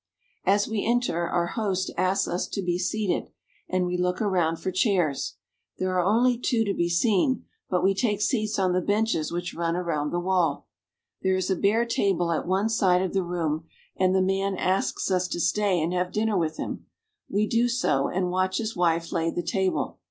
As we enter, our host asks us to be seated, and we look around for chairs. There are only two to be seen, but we take seats on the benches which run around the wall. There is a bare table at one side of the room, and the man asks us to stay and have dinner with him. We do so, and watch his wife lay the table.